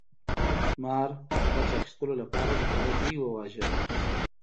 مار د غچ اخیستلو لپاره د هغه زوی وواژه.